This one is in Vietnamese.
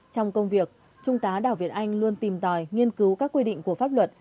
trong công việc trung tá đào việt anh luôn tìm tòi nghiên cứu các quy định của pháp luật